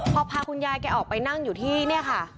พอพาคุณยายแกออกไปนั่งอยู่ที่นี่ค่ะ